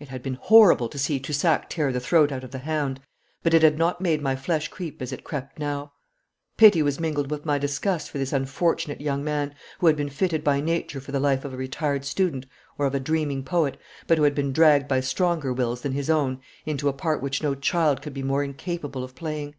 It had been horrible to see Toussac tear the throat out of the hound, but it had not made my flesh creep as it crept now. Pity was mingled with my disgust for this unfortunate young man, who had been fitted by Nature for the life of a retired student or of a dreaming poet, but who had been dragged by stronger wills than his own into a part which no child could be more incapable of playing.